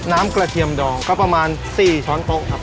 กระเทียมดองก็ประมาณ๔ช้อนโต๊ะครับ